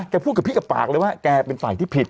พูดกับพี่กับปากเลยว่าแกเป็นฝ่ายที่ผิด